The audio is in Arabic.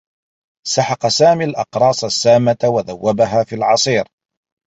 سحق سامي الأقراص السّامّة و ذوّبها في العصير.